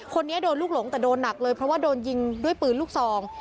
คนนี้โดนลูกหลงแต่โดนหนักเลยเพราะว่าโดนยิงด้วยปืนลูกซอง